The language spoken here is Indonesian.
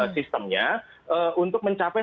sistemnya untuk mencapai